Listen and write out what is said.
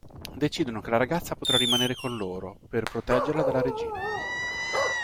Decidono che la ragazza potrà rimanere con loro, per proteggerla dalla regina.